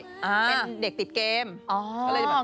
เล่นเด็กติดเกม